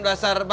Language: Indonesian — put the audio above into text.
dasar bangga ya